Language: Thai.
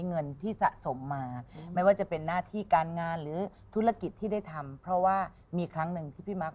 เงินที่สะสมมาไม่ว่าจะเป็นหน้าที่การงานหรือธุรกิจที่ได้ทำเพราะว่ามีครั้งหนึ่งที่พี่มัก